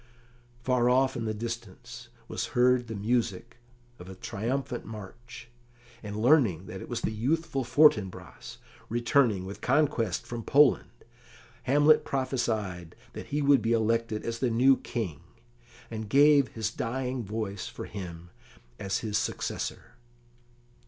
Far off in the distance was heard the music of a triumphant march, and learning that it was the youthful Fortinbras, returning with conquest from Poland, Hamlet prophesied that he would be elected as the new King, and gave his dying voice for him as his successor.